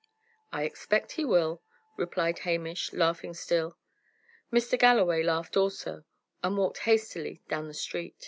"I expect he will," replied Hamish, laughing still. Mr. Galloway laughed also, and walked hastily down the street.